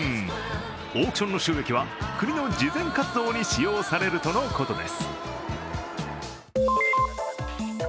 オークションの収益は国の慈善活動に使用されるとのことです。